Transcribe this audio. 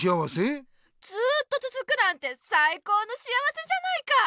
ずっとつづくなんてさいこうの幸せじゃないか！